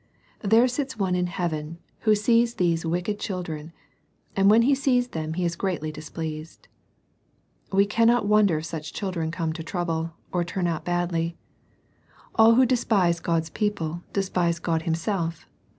There sits On^ m Vfe»N^x^ ^^tsa 14 SERMONS FOR CHILDREN. sees these wicked children, and when He sees them He is greatly displeased. We cannot wonder if such children come to trouble, or turn out badly. All who despise God's people, despise God Himself.